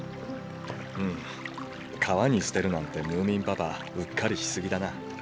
んん川に捨てるなんてムーミンパパうっかりしすぎだな。